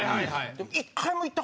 でも。